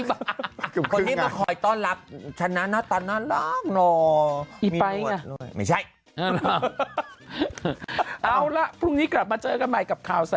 ผู้ชายของคุณแม่ไปเยอะมากเลยนะ